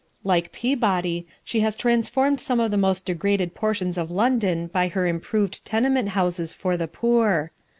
Like Peabody, she has transformed some of the most degraded portions of London by her improved tenement houses for the poor.